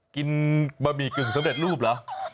กินบะบี่กึ่งสำเร็จลูกเหรอ